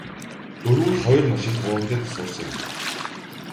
Дөрвүүл хоёр машинд хуваагдаж суусан юм.